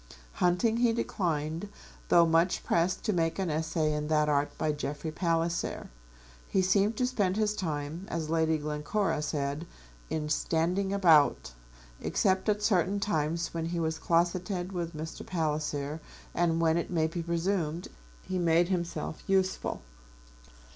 Hunting he declined, though much pressed to make an essay in that art by Jeffrey Palliser. He seemed to spend his time, as Lady Glencora said, in standing about, except at certain times when he was closeted with Mr. Palliser, and when, it may be presumed, he made himself useful.